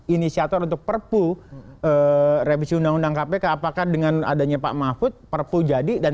inisiator untuk perpu revisi undang undang kpk apakah dengan adanya pak mahfud perpu jadi dan